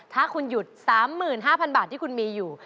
ถ้าคุณหยุด๓๕๐๐บาทที่คุณมีอยู่